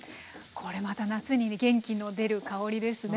これまた夏に元気の出る香りですね。